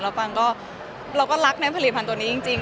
ฟังก็เราก็รักในผลิตภัณฑ์ตัวนี้จริง